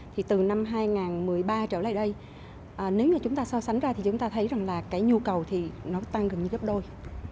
thì từ năm hai nghìn một mươi ba trở lại đây nếu mà chúng ta so sánh ra thì chúng ta thấy rằng là cái nhu cầu thì nó tăng gần như gấp đôi